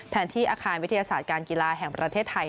ที่อาคารวิทยาศาสตร์การกีฬาแห่งประเทศไทย